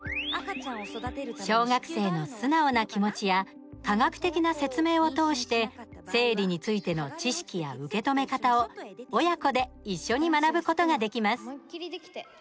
小学生の素直な気持ちや科学的な説明を通して生理についての知識や受け止め方を、親子で一緒に学ぶことができます。